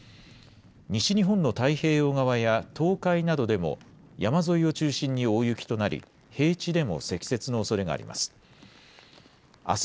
西日本の太平洋側や東海などでも山沿いを中心に大雪となり平地でも積雪のおそれがあります。